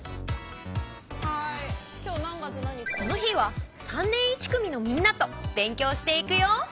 この日は３年１組のみんなと勉強していくよ！